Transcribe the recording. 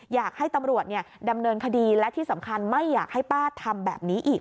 อยากให้ตำรวจดำเนินคดีและที่สำคัญไม่อยากให้ป้าทำแบบนี้อีก